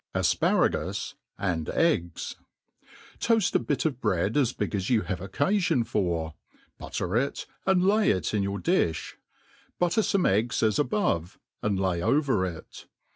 4fporagu% and Eggs. TOAST a bit of bread as big as you have occafion for, butter it, and lay it in your difli $ butter fome eggs as above, and lay over it.